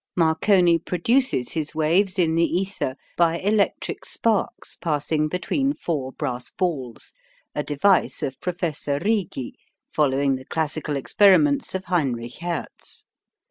Marconi produces his waves in the ether by electric sparks passing between four brass balls, a device of Professor Righi, following the classical experiments of Heinrich Hertz.